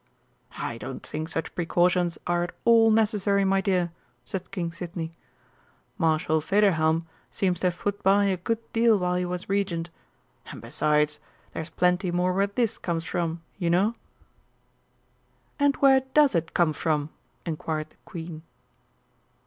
"I don't think such precautions are at all necessary, my dear," said King Sidney. "Marshal Federhelm seems to have put by a good deal while he was Regent. And besides, there's plenty more where this comes from, you know!" "And where does it come from?" inquired the Queen.